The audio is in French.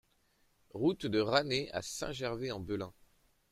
Route du Rasnay à Saint-Gervais-en-Belin